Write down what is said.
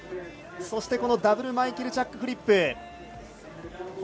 そしてダブルマイケルチャックフリップ。